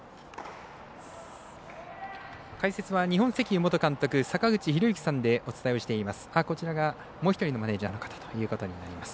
解説は日本石油元監督坂口裕之さんでお伝えしています。